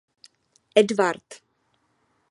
Edward.